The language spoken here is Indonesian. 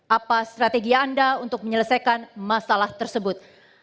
apa strategi anda untuk menyelesaikan masalah tersebut